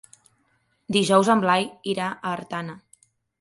Dijous en Blai irà a Artana.